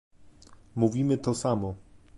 Mówimy to samo